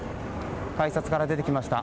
改札から出てきました。